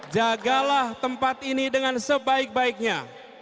jagalah tempat ini dengan sebaik baiknya